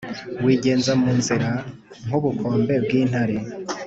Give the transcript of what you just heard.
wigenza mu nzira, nk'ubukombe bw'intare,